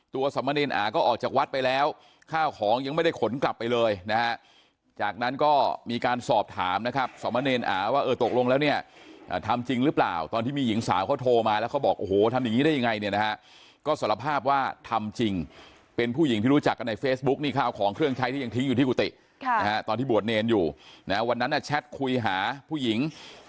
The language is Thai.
ตัวสมเนรอาก็ออกจากวัดไปแล้วข้าวของยังไม่ได้ขนกลับไปเลยนะฮะจากนั้นก็มีการสอบถามนะครับสมเนรอว่าเออตกลงแล้วเนี่ยทำจริงหรือเปล่าตอนที่มีหญิงสาวเขาโทรมาแล้วเขาบอกโอ้โหทำอย่างงี้ได้ยังไงเนี่ยนะฮะก็สารภาพว่าทำจริงเป็นผู้หญิงที่รู้จักกันในเฟซบุ๊กนี่ข้าวของเครื่องใช้ที่ยังทิ้ง